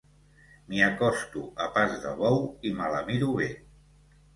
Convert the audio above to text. M'hi acosto a pas de bou i me la miro bé.